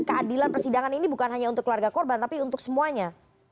keadilan persidangan ini bukan hanya untuk keluarga korban tapi untuk semuanya